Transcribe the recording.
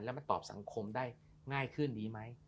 แล้วมันตอบสังคมได้ง่ายขึ้นดีไหม